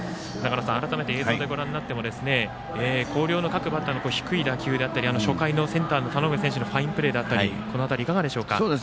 改めて映像でご覧になっても広陵の各バッターの低い打球だったり初回のセンターの田上選手のファインプレーだったりこの辺り、いかがでしょうか。